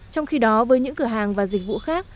trong khi đó với những cửa hàng và dịch vụ khác